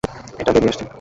এটা বেরিয়ে আসছে।